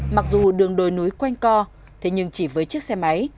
mặc dù đường đồi núi quanh co thế nhưng chỉ với chiếc xe máy